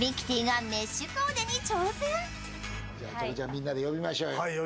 みんなで呼びましょうよ。